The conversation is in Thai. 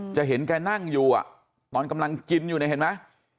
จะเห็นแกนั่งอยู่ตอนกำลังกินอยู่เนี่ยเห็นไหม